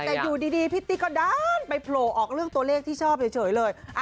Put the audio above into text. แต่อยู่ดีพี่ติ๊กก็ด้านไปโผล่ออกเรื่องตัวเลขที่ชอบเฉยเลย